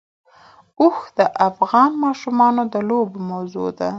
اوښ د افغان ماشومانو د لوبو موضوع ده.